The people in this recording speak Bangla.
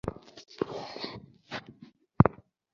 এক গ্লাস ঠাণ্ডা পানি দিতে বলুন, খুব ঠাণ্ডা।